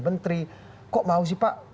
menteri kok mau sih pak